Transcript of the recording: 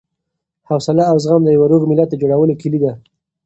حوصله او زغم د یوه روغ ملت د جوړولو کیلي ده.